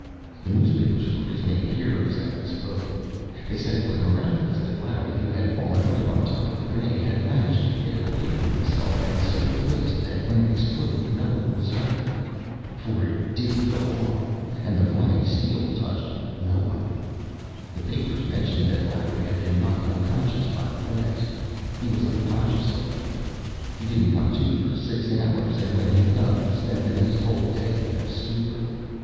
The newspaper stories made heroes out of both of us. They said it was miraculous that Larry, who had fallen right on top of the grenade, had managed to get it away from himself and so placed that when it exploded no one was hurt. For it did go off and the flying steel touched nobody. The papers mentioned that Larry had been knocked unconscious by the blast. He was unconscious, all right. He didn't come to for six hours and when he woke up, he spent the next whole day in a stupor.